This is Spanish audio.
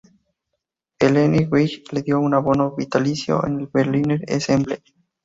Helene Weigel le dio un abono vitalicio en el Berliner Ensemble.